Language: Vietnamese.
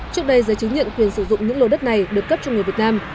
trước đây giấy chứng nhận quyền sử dụng những lô đất này được cấp cho người việt nam